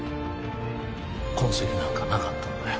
痕跡なんかなかったんだよ